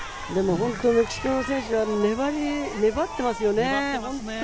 本当にメキシコの選手も粘っていますよね。